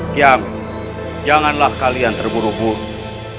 kiam janganlah kalian terburu buru